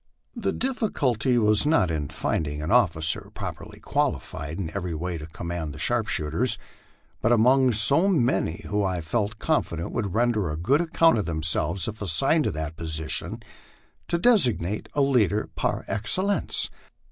The diffi culty was not in finding an officer properly qualified in every way to command the sharpshooters, but, among so many who I felt confident would render a good account of themselves if assigned to that position, to designate a leader par excellence.